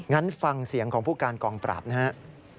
งั้นฟังเสียงของผู้การกองปราบนะครับ